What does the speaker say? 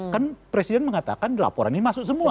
kan presiden mengatakan laporan ini masuk semua